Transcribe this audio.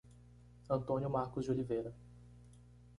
Antônio Marcos de Oliveira